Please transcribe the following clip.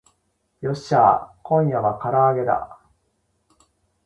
よっしゃー今夜は唐揚げだ